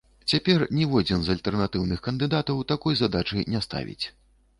Цяпер ніводзін з альтэрнатыўных кандыдатаў такой задачы не ставіць.